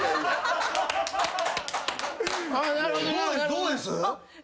どうです？